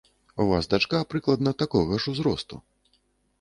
У вас дачка прыкладна такога ж узросту.